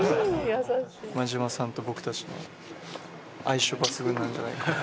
真島さんと僕たちの相性抜群なんじゃないかなと。